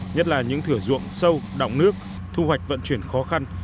nhất là những thửa ruộng sâu đọng nước thu hoạch vận chuyển khó khăn